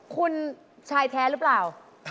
คุณชายแท้หรือเปล่า